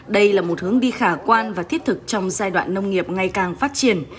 đây là một hướng đi khả quan và thiết thực trong giai đoạn nông nghiệp ngày càng phát triển